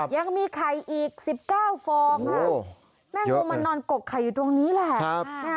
ยังมีไข่อีก๑๙ฟองค่ะแม่งูมานอนกกไข่อยู่ตรงนี้แหละ